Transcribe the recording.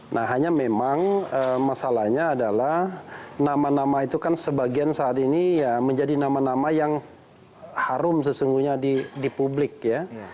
nah hanya memang masalahnya adalah nama nama itu kan sebagian saat ini menjadi nama nama yang harum sesungguhnya di publik ya